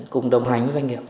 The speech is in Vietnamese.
cùng đồng hành với doanh nghiệp